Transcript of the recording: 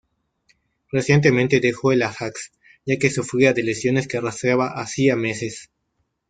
Recientemente dejó el Ajax, ya que sufría de lesiones que arrastraba hacía meses.